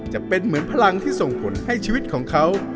จะเป็นเหมือนพลังที่ส่งผลให้ชีวิตของเขา